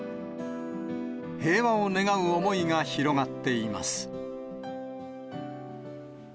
平和を願う思いが広がっています。